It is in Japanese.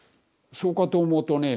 そうかと思うとね